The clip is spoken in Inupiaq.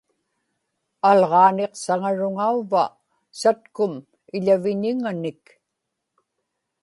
alġaaniqsaŋaruŋauvva satkum iḷaviñiŋanik